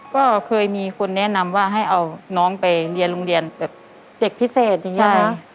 ก็เคยมีคนแนะนำว่าให้เอาน้องไปเรียนโรงเรียนแบบเด็กพิเศษอย่างนี้นะ